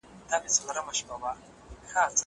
زه کولای سم وخت تېرووم!